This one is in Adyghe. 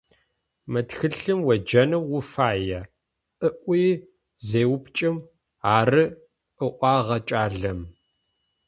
«Мы тхылъым уеджэнэу уфая?», - ыӏуи зеупчӏым, «ары», - ыӏуагъ кӏалэм.